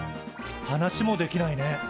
話もできないね。